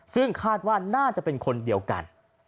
ซึ่งคาดว่าน่าจะเป็นคนเดียวกัน